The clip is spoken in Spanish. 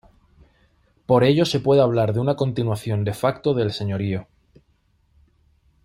Por ello se puede hablar de una continuación "de facto" del señorío.